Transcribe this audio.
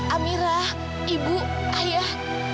amirah ibu ayah